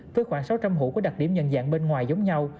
với khoảng sáu trăm linh hủ có đặc điểm nhận dạng bên ngoài giống nhau